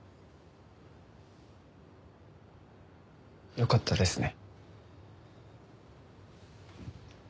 よかったですね。